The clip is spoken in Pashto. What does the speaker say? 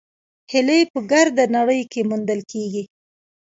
هیلۍ په ګرده نړۍ کې موندل کېږي